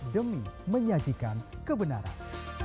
demi menyajikan kebenaran